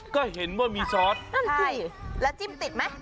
ก็เห็นว่ามีซอสแล้วจิ้มติดไหม